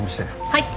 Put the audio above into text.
はい。